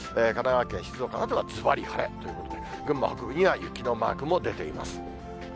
神奈川県、静岡などはずばり晴れということで、群馬北部には雪のマークも出ています。